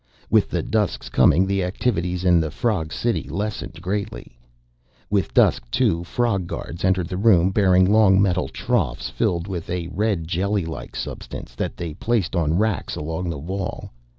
With the dusk's coming the activities in the frog city lessened greatly. With dusk, too, frog guards entered the room bearing long metal troughs filled with a red jellylike substance, that they placed on racks along the wall.